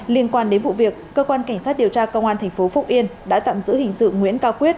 liên quan đến vụ việc cơ quan cảnh sát điều tra công an thành phố phúc yên đã tạm giữ hình sự nguyễn cao quyết